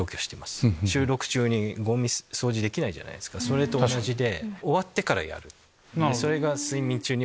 それと同じで。